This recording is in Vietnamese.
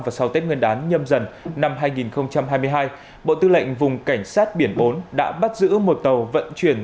và sau tết nguyên đán nhâm dần năm hai nghìn hai mươi hai bộ tư lệnh vùng cảnh sát biển bốn đã bắt giữ một tàu vận chuyển